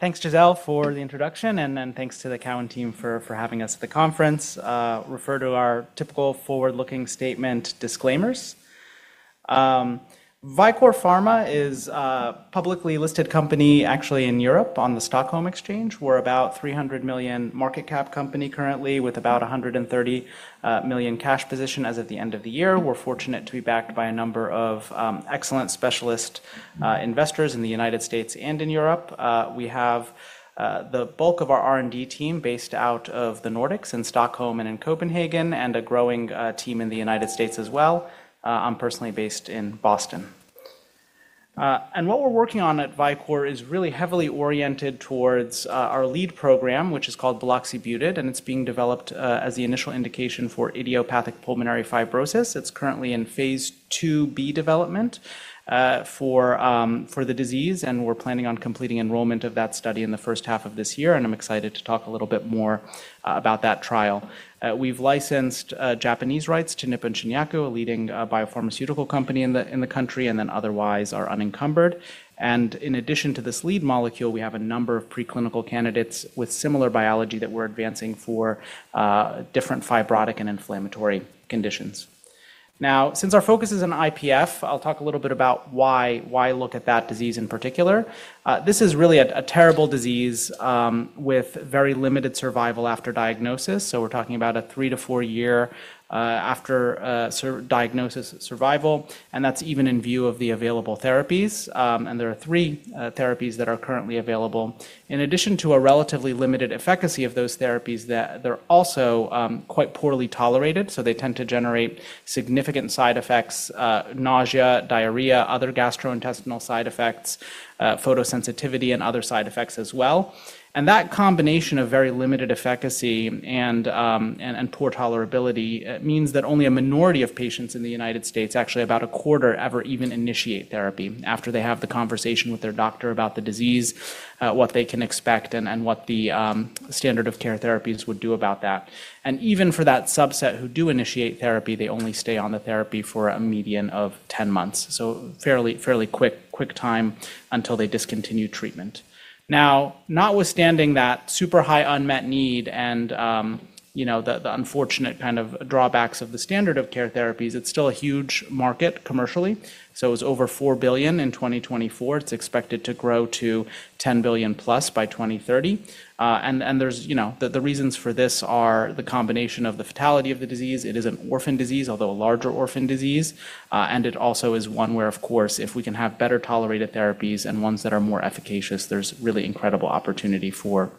Thanks Gisele for the introduction, thanks to the Cowen team for having us at the conference. Refer to our typical forward-looking statement disclaimers. Vicore Pharma is a publicly listed company actually in Europe on Nasdaq Stockholm. We're about 300 million market cap company currently with about 130 million cash position as of the end of the year. We're fortunate to be backed by a number of excellent specialist investors in the United States and in Europe. We have the bulk of our R&D team based out of the Nordics in Stockholm and in Copenhagen, and a growing team in the United States as well. I'm personally based in Boston. What we're working on at Vicore is really heavily oriented towards our lead program, which is called buloxibutid, and it's being developed as the initial indication for idiopathic pulmonary fibrosis. It's currently in Phase 2b development for the disease, we're planning on completing enrollment of that study in the first half of this year, I'm excited to talk a little bit more about that trial. We've licensed Japanese rights to Nippon Shinyaku, a leading biopharmaceutical company in the country, otherwise are unencumbered. In addition to this lead molecule, we have a number of preclinical candidates with similar biology that we're advancing for different fibrotic and inflammatory conditions. Since our focus is on IPF, I'll talk a little bit about why look at that disease in particular. This is really a terrible disease with very limited survival after diagnosis. We're talking about a 3-4 year after diagnosis survival, and that's even in view of the available therapies. There are three therapies that are currently available. In addition to a relatively limited efficacy of those therapies, they're also quite poorly tolerated, so they tend to generate significant side effects, nausea, diarrhea, other gastrointestinal side effects, photosensitivity, and other side effects as well. That combination of very limited efficacy and poor tolerability means that only a minority of patients in the United States, actually about a quarter, ever even initiate therapy after they have the conversation with their doctor about the disease, what they can expect and what the standard of care therapies would do about that. Even for that subset who do initiate therapy, they only stay on the therapy for a median of 10 months. Fairly quick time until they discontinue treatment. Not with standing that super high unmet need, the unfortunate kind of drawbacks of the standard of care therapies, it's still a huge market commercially. It was over $4 billion in 2024. It's expected to grow to $10 billion-plus by 2030. There's. The reasons for this are the combination of the fatality of the disease. It is an orphan disease, although a larger orphan disease. It also is one where, of course, if we can have better-tolerated therapies and ones that are more efficacious, there's really incredible opportunity for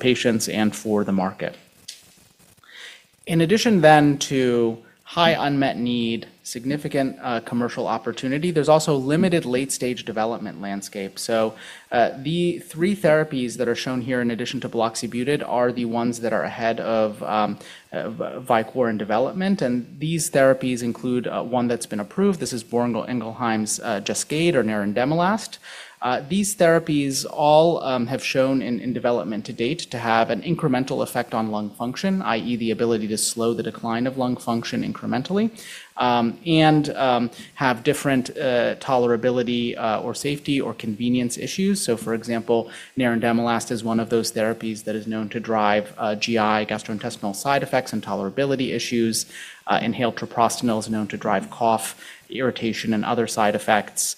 patients and for the market. In addition to high unmet need, significant commercial opportunity, there's also limited late-stage development landscape. The three therapies that are shown here in addition to buloxibutid are the ones that are ahead of Vicore in development, and these therapies include one that's been approved. This is Boehringer Ingelheim's Jascayd or nerandomilast. These therapies all have shown in development to date to have an incremental effect on lung function, i.e., the ability to slow the decline of lung function incrementally, and have different tolerability, or safety or convenience issues. For example, nerandomilast is one of those therapies that is known to drive GI, gastrointestinal side effects and tolerability issues. Inhaled treprostinil is known to drive cough, irritation, and other side effects.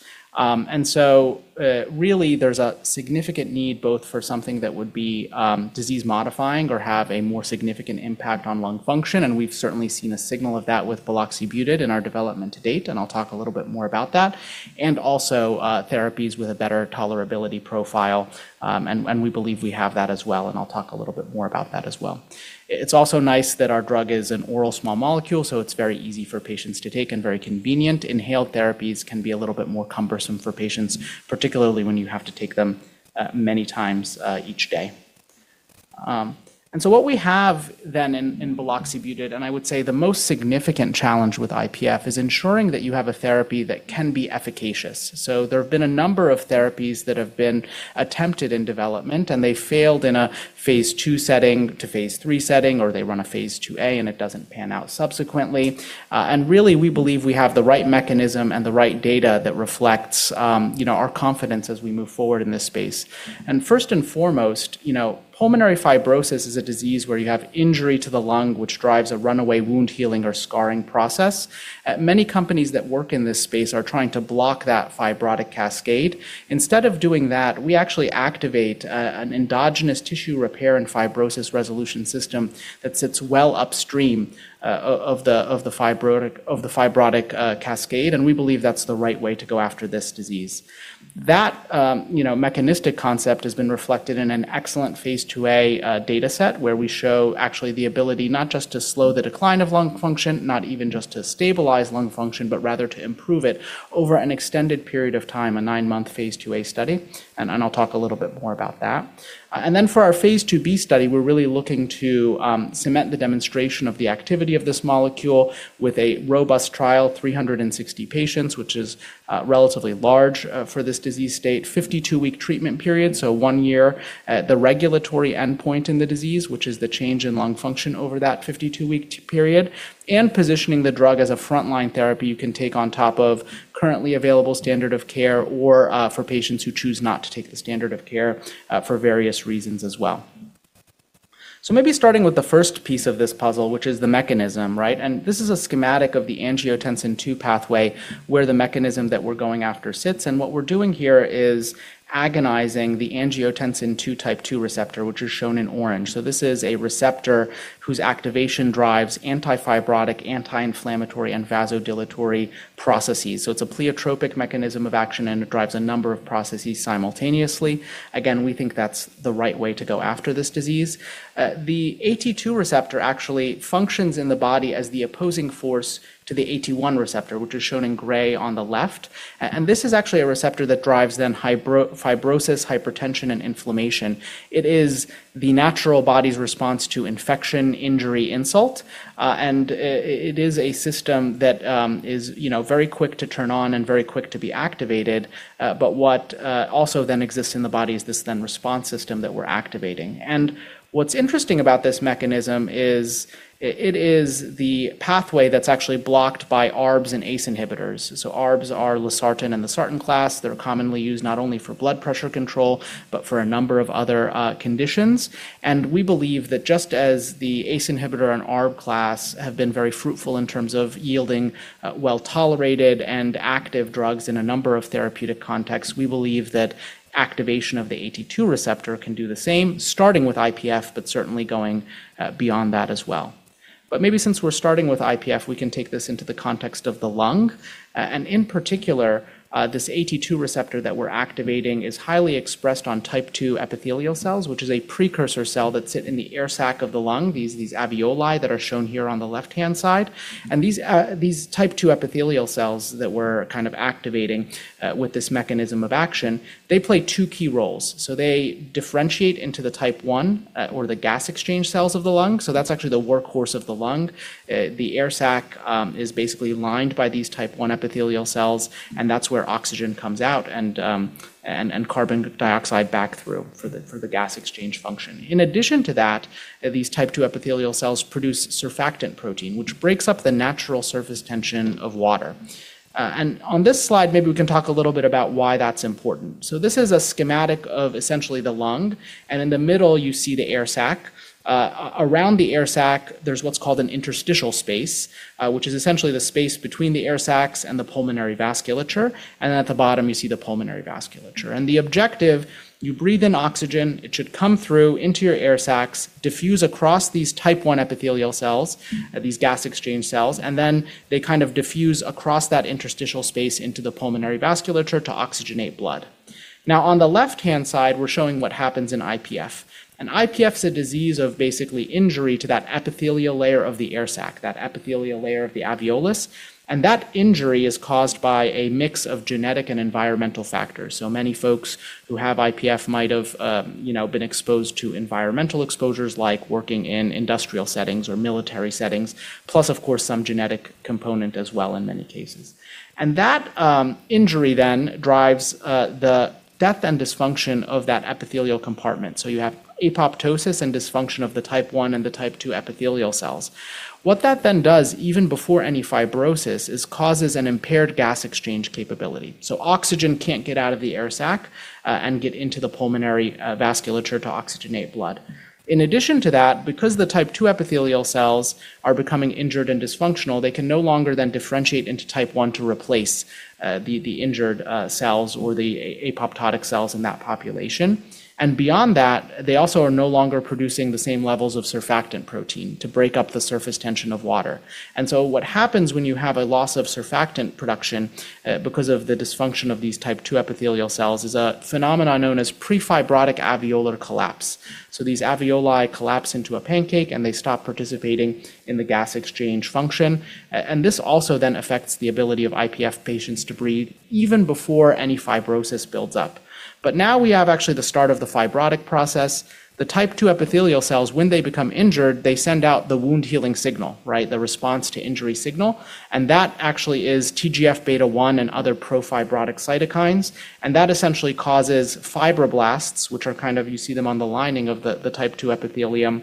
Really there's a significant need both for something that would be disease-modifying or have a more significant impact on lung function, and we've certainly seen a signal of that with buloxibutid in our development to date, and I'll talk a little bit more about that, and also, therapies with a better tolerability profile. We believe we have that as well, and I'll talk a little bit more about that as well. It's also nice that our drug is an oral small molecule, so it's very easy for patients to take and very convenient. Inhaled therapies can be a little bit more cumbersome for patients, particularly when you have to take them many times each day. What we have then in buloxibutid, I would say the most significant challenge with IPF, is ensuring that you have a therapy that can be efficacious. There have been a number of therapies that have been attempted in development, and they failed in a Phase II setting to Phase III setting, or they run a Phase 2a, and it doesn't pan out subsequently. Really, we believe we have the right mechanism and the right data that reflects, you know, our confidence as we move forward in this space. First and foremost, you know, pulmonary fibrosis is a disease where you have injury to the lung, which drives a runaway wound healing or scarring process. Many companies that work in this space are trying to block that fibrotic cascade. Instead of doing that, we actually activate an endogenous tissue repair and fibrosis resolution system that sits well upstream of the fibrotic cascade, and we believe that's the right way to go after this disease. That, mechanistic concept has been reflected in an excellent Phase 2a data set where we show actually the ability not just to slow the decline of lung function, not even just to stabilize lung function, but rather to improve it over an extended period of time, a 9-month Phase 2a study, and I'll talk a little bit more about that. For our Phase 2b study, we're really looking to cement the demonstration of the activity of this molecule with a robust trial, 360 patients, which is relatively large for this disease state, a 52-week treatment period, so one year at the regulatory endpoint in the disease, which is the change in lung function over that 52-week period, and positioning the drug as a frontline therapy you can take on top of currently available standard of care or for patients who choose not to take the standard of care for various reasons as well. Maybe starting with the first piece of this puzzle, which is the mechanism, right? This is a schematic of the angiotensin II pathway, where the mechanism that we're going after sits. What we're doing here is agonizing the angiotensin II type 2 receptor, which is shown in orange. This is a receptor whose activation drives anti-fibrotic, anti-inflammatory, and vasodilatory processes. It's a pleiotropic mechanism of action, and it drives a number of processes simultaneously. Again, we think that's the right way to go after this disease. The AT2 receptor actually functions in the body as the opposing force to the AT1 receptor, which is shown in gray on the left. This is actually a receptor that drives then fibrosis, hypertension, and inflammation. It is the natural body's response to infection, injury, insult. It is a system that, you know, very quick to turn on and very quick to be activated. What also then exists in the body is this then response system that we're activating. What's interesting about this mechanism is it is the pathway that's actually blocked by ARBs and ACE inhibitors. ARBs are losartan and the sartan class. They're commonly used not only for blood pressure control but for a number of other conditions. We believe that just as the ACE inhibitor and ARB class have been very fruitful in terms of yielding well-tolerated and active drugs in a number of therapeutic contexts, we believe that activation of the AT2 receptor can do the same, starting with IPF, but certainly going beyond that as well. Maybe since we're starting with IPF, we can take this into the context of the lung. In particular, this AT2 receptor that we're activating is highly expressed on type II epithelial cells, which is a precursor cell that sit in the air sac of the lung, these alveoli that are shown here on the left-hand side. These type II epithelial cells that we're kind of activating with this mechanism of action, they play two key roles. They differentiate into the type I or the gas exchange cells of the lung. That's actually the workhorse of the lung. The air sac is basically lined by these type I epithelial cells, and that's where oxygen comes out and carbon dioxide back through for the gas exchange function. In addition to that, these type II epithelial cells produce surfactant protein, which breaks up the natural surface tension of water. On this slide, maybe we can talk a little bit about why that's important. This is a schematic of essentially the lung, and in the middle, you see the air sac. around the air sac, there's what's called an interstitial space, which is essentially the space between the air sacs and the pulmonary vasculature. At the bottom, you see the pulmonary vasculature. The objective, you breathe in oxygen, it should come through into your air sacs, diffuse across these type I epithelial cells, these gas exchange cells, and then they kind of diffuse across that interstitial space into the pulmonary vasculature to oxygenate blood. Now, on the left-hand side, we're showing what happens in IPF. IPF is a disease of basically injury to that epithelial layer of the air sac, that epithelial layer of the alveolus, and that injury is caused by a mix of genetic and environmental factors. Many folks who have IPF might have, been exposed to environmental exposures like working in industrial settings or military settings, plus, of course, some genetic component as well in many cases. That injury then drives the death and dysfunction of that epithelial compartment. You have apoptosis and dysfunction of the type I and the type II epithelial cells. What that then does, even before any fibrosis, is causes an impaired gas exchange capability. Oxygen can't get out of the air sac and get into the pulmonary vasculature to oxygenate blood. In addition to that, because the type II epithelial cells are becoming injured and dysfunctional, they can no longer then differentiate into type I to replace the injured cells or the apoptotic cells in that population. Beyond that, they also are no longer producing the same levels of surfactant protein to break up the surface tension of water. What happens when you have a loss of surfactant production because of the dysfunction of these type II epithelial cells, is a phenomenon known as pre-fibrotic alveolar collapse. These alveoli collapse into a pancake, and they stop participating in the gas exchange function. This also then affects the ability of IPF patients to breathe even before any fibrosis builds up. Now we have actually the start of the fibrotic process. The type II epithelial cells, when they become injured, they send out the wound-healing signal, right, the response to injury signal, that actually is TGF-beta 1 and other pro-fibrotic cytokines. That essentially causes fibroblasts. You see them on the lining of the type II epithelium.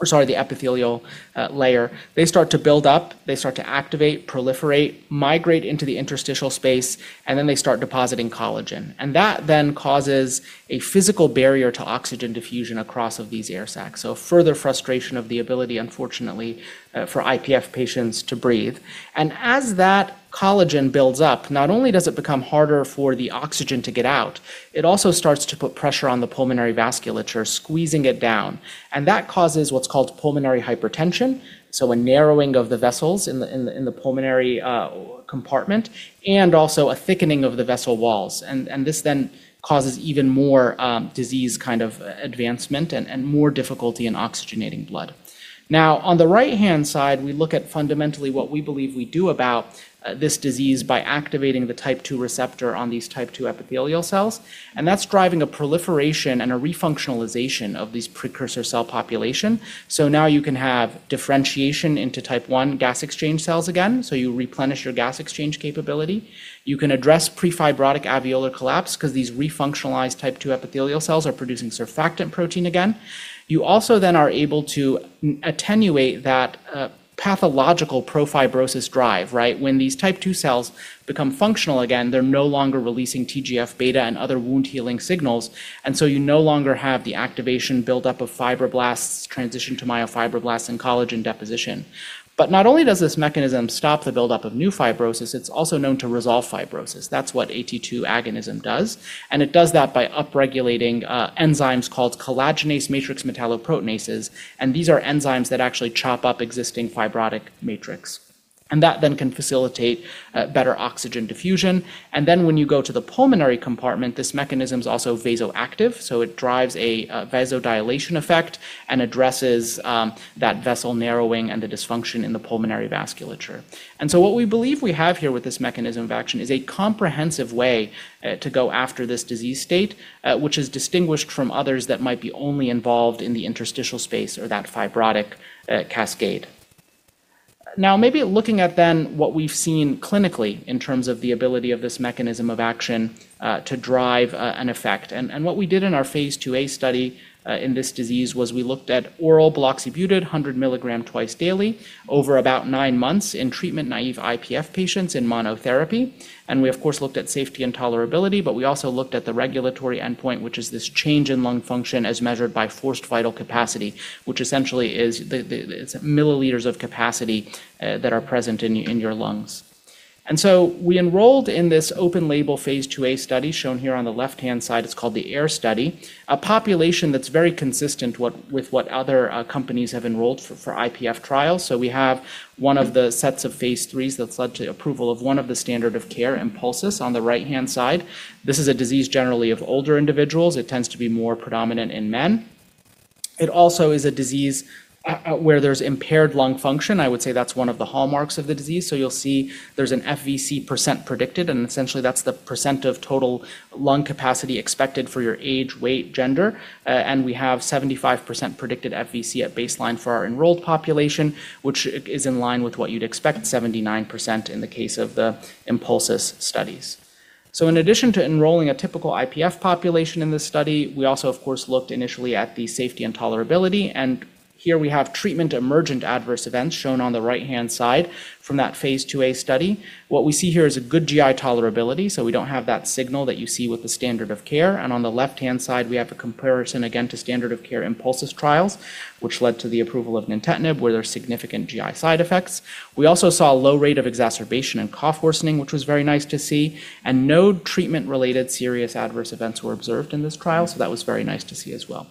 Or sorry, the epithelial layer. They start to build up, they start to activate, proliferate, migrate into the interstitial space, then they start depositing collagen. That then causes a physical barrier to oxygen diffusion across of these air sacs. Further frustration of the ability, unfortunately, for IPF patients to breathe. As that collagen builds up, not only does it become harder for the oxygen to get out, it also starts to put pressure on the pulmonary vasculature, squeezing it down. That causes what's called pulmonary hypertension, so a narrowing of the vessels in the pulmonary compartment, and also a thickening of the vessel walls. This causes even more disease kind of advancement and more difficulty in oxygenating blood. Now, on the right-hand side, we look at fundamentally what we believe we do about this disease by activating the Type II receptor on these Type II epithelial cells. That's driving a proliferation and a refunctionalization of these precursor cell population. Now you can have differentiation into Type I gas exchange cells again, so you replenish your gas exchange capability. You can address pre-fibrotic alveolar collapse because these refunctionalized Type II epithelial cells are producing surfactant protein again. You also are able to attenuate that pathological pro-fibrosis drive, right? When these type two cells become functional again, they're no longer releasing TGF-beta and other wound healing signals, and so you no longer have the activation build-up of fibroblasts transition to myofibroblasts and collagen deposition. Not only does this mechanism stop the build-up of new fibrosis, it's also known to resolve fibrosis. That's what AT2 agonism does, and it does that by upregulating enzymes called collagenase matrix metalloproteinases, and these are enzymes that actually chop up existing fibrotic matrix. That then can facilitate better oxygen diffusion. Then when you go to the pulmonary compartment, this mechanism's also vasoactive, so it drives a vasodilation effect and addresses that vessel narrowing and the dysfunction in the pulmonary vasculature. What we believe we have here with this mechanism of action is a comprehensive way to go after this disease state, which is distinguished from others that might be only involved in the interstitial space or that fibrotic cascade. Now maybe looking at then what we've seen clinically in terms of the ability of this mechanism of action to drive an effect. What we did in our Phase 2a study in this disease was we looked at oral buloxibutid 100 mg twice daily over about 9 months in treatment-naive IPF patients in monotherapy. We of course, looked at safety and tolerability, but we also looked at the regulatory endpoint, which is this change in lung function as measured by forced vital capacity, which essentially is the, it's milliliters of capacity that are present in your lungs. We enrolled in this open label Phase 2a study shown here on the left-hand side, it's called the AIR trial, a population that's very consistent with what other companies have enrolled for IPF trials. We have one of the sets of Phase IIIs that's led to approval of one of the standard of care INPULSIS on the right-hand side. This is a disease generally of older individuals. It tends to be more predominant in men. It also is a disease where there's impaired lung function. I would say that's one of the hallmarks of the disease. You'll see there's an FVC percent predicted, and essentially that's the percent of total lung capacity expected for your age, weight, gender, and we have 75% predicted FVC at baseline for our enrolled population, which is in line with what you'd expect, 79% in the case of the INPULSIS studies. In addition to enrolling a typical IPF population in this study, we also of course, looked initially at the safety and tolerability, and here we have treatment emergent adverse events shown on the right-hand side from that Phase 2a study. What we see here is a good GI tolerability, so we don't have that signal that you see with the standard of care. On the left-hand side we have a comparison again to standard of care in INPULSIS trials, which led to the approval of nintedanib, where there are significant GI side effects. We also saw a low rate of exacerbation and cough worsening, which was very nice to see. No treatment-related serious adverse events were observed in this trial, so that was very nice to see as well.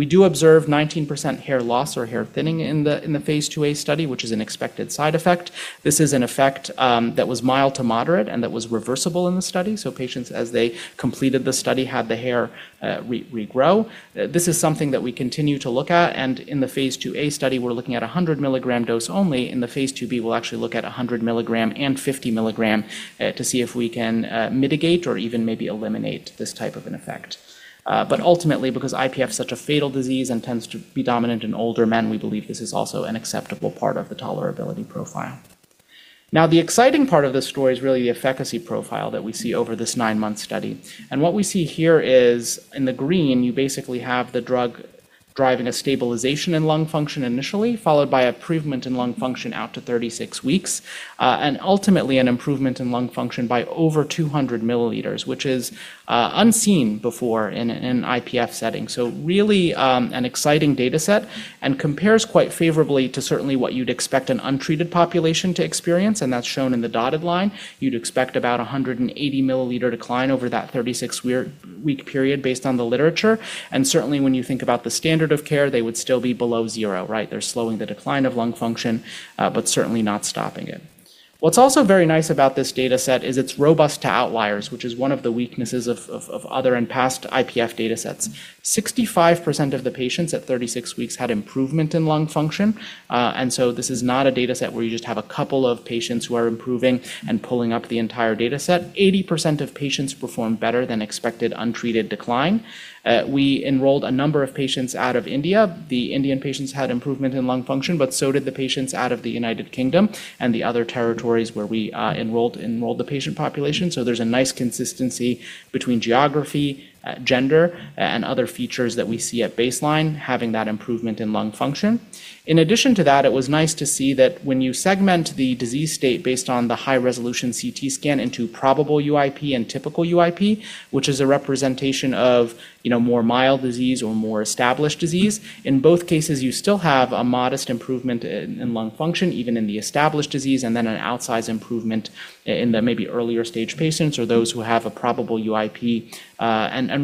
We do observe 19% hair loss or hair thinning in the Phase 2a study, which is an expected side effect. This is an effect that was mild to moderate and that was reversible in the study. Patients, as they completed the study, had the hair regrow. This is something that we continue to look at, and in the Phase 2a study, we're looking at a 100 milligram dose only. In the Phase 2b, we'll actually look at a 100 milligram and 50 milligram to see if we can mitigate or even maybe eliminate this type of an effect. Ultimately, because IPF is such a fatal disease and tends to be dominant in older men, we believe this is also an acceptable part of the tolerability profile. The exciting part of this story is really the efficacy profile that we see over this 9-month study. What we see here is in the green, you basically have the drug driving a stabilization in lung function initially, followed by improvement in lung function out to 36 weeks. Ultimately an improvement in lung function by over 200 milliliters, which is unseen before in IPF setting. Really, an exciting data set and compares quite favorably to certainly what you'd expect an untreated population to experience, and that's shown in the dotted line. You'd expect about a 180 milliliter decline over that 36-week period based on the literature. Certainly when you think about the standard of care, they would still be below zero, right? They're slowing the decline of lung function, but certainly not stopping it. What's also very nice about this data set is it's robust to outliers, which is one of the weaknesses of other and past IPF data sets. 65% of the patients at 36 weeks had improvement in lung function. This is not a data set where you just have a couple of patients who are improving and pulling up the entire data set. 80% of patients performed better than expected untreated decline. We enrolled a number of patients out of India. The Indian patients had improvement in lung function, but so did the patients out of the United Kingdom and the other territories where we enrolled the patient population. There's a nice consistency between geography, gender, and other features that we see at baseline having that improvement in lung function. In addition to that, it was nice to see that when you segment the disease state based on the high-resolution CT scan into probable UIP and typical UIP, which is a representation of, you know, more mild disease or more established disease, in both cases, you still have a modest improvement in lung function, even in the established disease, and then an outsized improvement in the maybe earlier stage patients or those who have a probable UIP.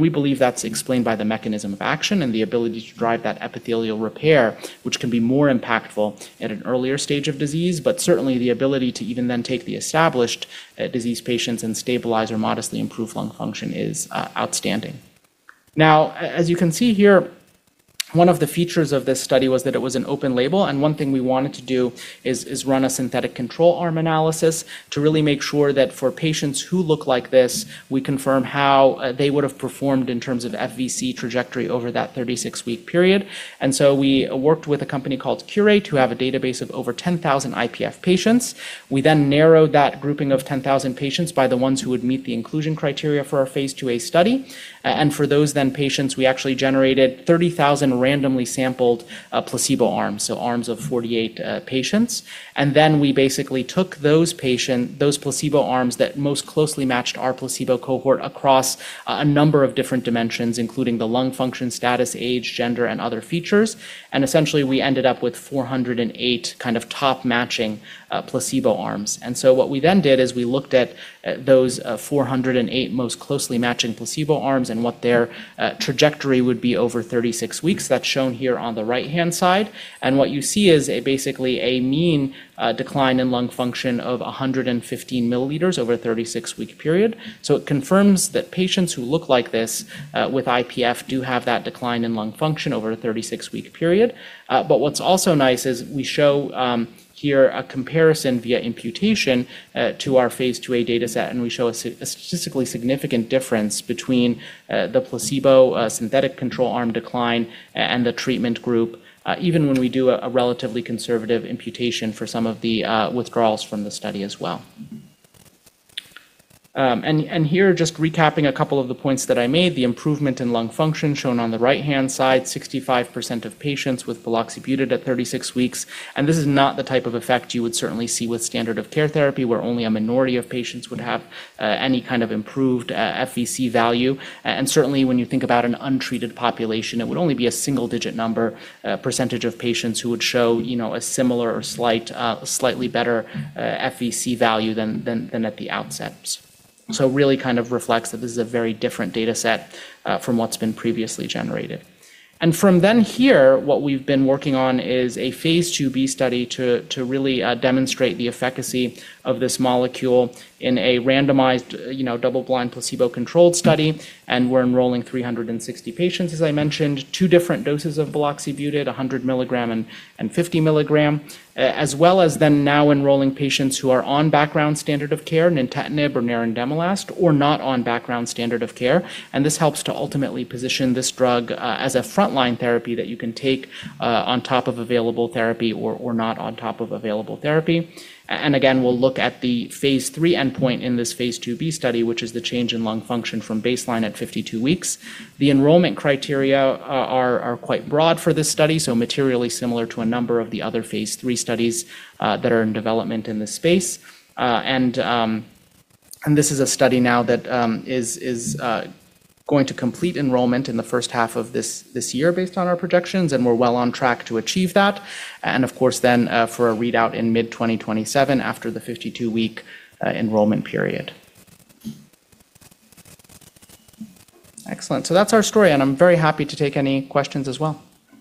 We believe that's explained by the mechanism of action and the ability to drive that epithelial repair, which can be more impactful at an earlier stage of disease. Certainly, the ability to even then take the established disease patients and stabilize or modestly improve lung function is outstanding. Now, as you can see here, one of the features of this study was that it was an open label, and one thing we wanted to do is run a synthetic control arm analysis to really make sure that for patients who look like this, we confirm how they would have performed in terms of FVC trajectory over that 36-week period. We worked with a company called Qureight, who have a database of over 10,000 IPF patients. We then narrowed that grouping of 10,000 patients by the ones who would meet the inclusion criteria for our Phase 2a study. For those then patients, we actually generated 30,000 randomly sampled placebo arms, so arms of 48 patients. We basically took those placebo arms that most closely matched our placebo cohort across a number of different dimensions, including the lung function status, age, gender, and other features. Essentially, we ended up with 408 kind of top matching placebo arms. What we then did is we looked at those 408 most closely matching placebo arms and what their trajectory would be over 36 weeks. That's shown here on the right-hand side. What you see is basically a mean decline in lung function of 115 milliliters over a 36-week period. It confirms that patients who look like this with IPF do have that decline in lung function over a 36-week period. What's also nice is we show here a comparison via imputation to our Phase 2a dataset, we show a statistically significant difference between the placebo synthetic control arm decline and the treatment group, even when we do a relatively conservative imputation for some of the withdrawals from the study as well. Here, just recapping a couple of the points that I made, the improvement in lung function shown on the right-hand side, 65% of patients with buloxibutid at 36 weeks. This is not the type of effect you would certainly see with standard of care therapy, where only a minority of patients would have any kind of improved FVC value. Certainly, when you think about an untreated population, it would only be a single-digit number percentage of patients who would show, you know, a similar or slight, slightly better FVC value than at the outset. Really kind of reflects that this is a very different dataset from what's been previously generated. From then here, what we've been working on is a Phase 2b study to really demonstrate the efficacy of this molecule in a randomized, you know, double-blind placebo-controlled study. We're enrolling 360 patients, as I mentioned, two different doses of buloxibutid, 100 milligram and 50 milligram, as well as then now enrolling patients who are on background standard of care, Nintedanib or nerandomilast, or not on background standard of care. This helps to ultimately position this drug, as a frontline therapy that you can take, on top of available therapy or not on top of available therapy. Again, we'll look at the Phase III endpoint in this Phase 2b study, which is the change in lung function from baseline at 52 weeks. The enrollment criteria are quite broad for this study, so materially similar to a number of the other Phase III studies, that are in development in this space. This is a study now that is going to complete enrollment in the first half of this year based on our projections, and we're well on track to achieve that. Of course, then, for a readout in mid-2027 after the 52-week enrollment period. Excellent. That's our story, and I'm very happy to take any questions as well.